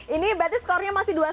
ini berarti skornya masih dua satu